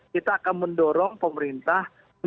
kita akan mendorong pemerintah